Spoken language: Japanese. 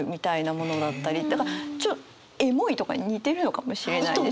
だからエモいとかに似てるのかもしれないですね。